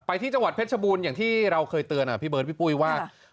ที่จังหวัดเพชรชบูรณ์อย่างที่เราเคยเตือนพี่เบิร์ดพี่ปุ้ยว่า